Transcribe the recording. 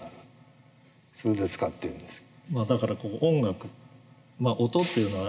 それで使ってるんですよ。